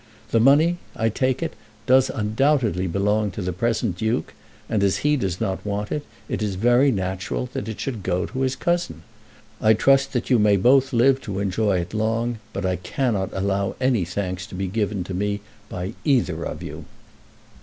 The money, I take it, does undoubtedly belong to the present Duke, and, as he does not want it, it is very natural that it should go to his cousin. I trust that you may both live to enjoy it long, but I cannot allow any thanks to be given to me by either of you."